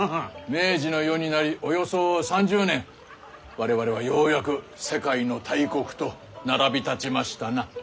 明治の世になりおよそ３０年我々はようやく世界の大国と並び立ちましたな。